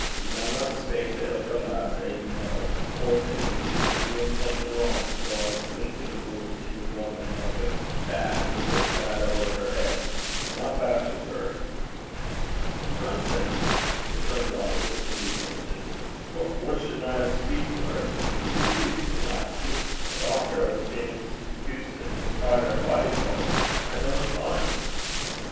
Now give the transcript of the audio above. Ye maunna speyk to ilka lass 'at ye ken. Poor thing! she's been doin' something wrang, to gang slinkin' aboot i' the gloamin' like a baukie (bat), wi' her plaid ower her heid. Dinna fash wi' her.' 'Nonsense!' returned Robert, with indignation. 'What for shouldna I speik till her? She's a decent lassie a dochter o' James Hewson, the cottar at Bodyfauld. I ken her fine.'